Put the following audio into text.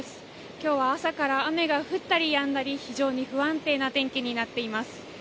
今日は朝から雨が降ったりやんだり非常に不安定な天気になっています。